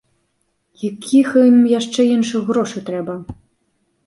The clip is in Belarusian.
Якіх ім яшчэ іншых грошы трэба.